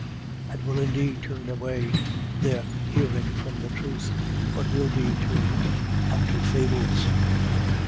And will indeed turn away their hearing from the truth, but will be turned unto fables.